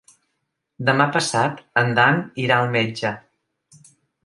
Demà passat en Dan irà al metge.